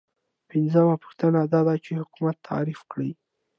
پنځمه پوښتنه دا ده چې حکومت تعریف کړئ.